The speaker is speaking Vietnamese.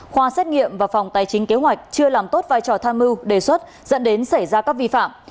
khoa xét nghiệm và phòng tài chính kế hoạch chưa làm tốt vai trò tham mưu đề xuất dẫn đến xảy ra các vi phạm